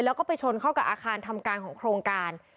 แล้วก็ไปชนเข้ากับอาคารทำการของโครงการ